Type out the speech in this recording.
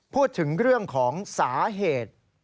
พูดถึงเรื่องของสาเหตุ